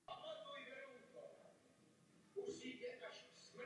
Poslední tři týmy sestupují do příslušného Krajského přeboru.